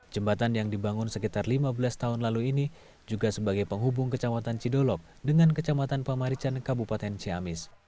jembatan yang dibangun sekitar lima belas tahun lalu ini juga sebagai penghubung kecamatan cidolog dengan kecamatan pamarican kabupaten ciamis